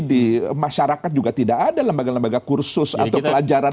di masyarakat juga tidak ada lembaga lembaga kursus atau pelajaran